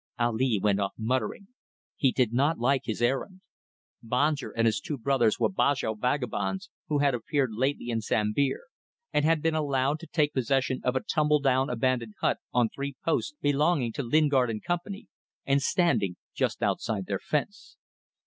Ali went off muttering. He did not like his errand. Banjer and his two brothers were Bajow vagabonds who had appeared lately in Sambir and had been allowed to take possession of a tumbledown abandoned hut, on three posts, belonging to Lingard & Co., and standing just outside their fence.